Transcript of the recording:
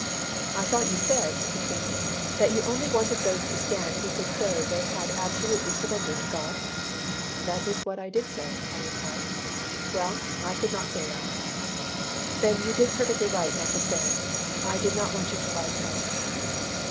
"I thought you said," he continued, "that you only wanted those to stand who could say they had absolutely surrendered to God?" "That is what I did say," I replied. "Well, I could not say that." "Then you did perfectly right not to stand. I did not want you to lie to God."